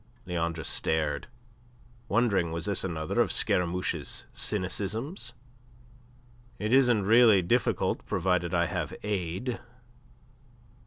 Leandre stared, wondering was this another of Scaramouche's cynicisms. "It isn't really difficult provided I have aid.